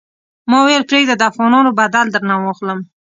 ما ویل پرېږده د افغانانو بدل درنه واخلم.